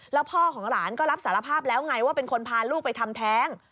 แล้วพ่อของหลานก็รับสารภาพแล้วไงว่าเป็นคนพาลูกไปทำแท้ง